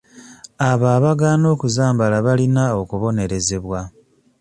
Abo abaagaana okuzambala balina okubonerezebwa.